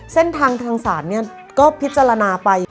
เส้นทางทางศาลเนี่ยก็พิจารณาไป